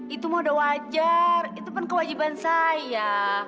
itu mah udah wajar itu pun kewajiban saya